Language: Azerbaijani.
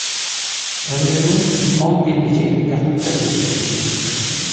Ömrünün son bir neçə ilini yataqda keçirmişdir.